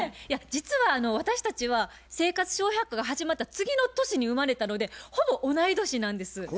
実は私たちは「生活笑百科」が始まった次の年に生まれたのでほぼ同い年なんです。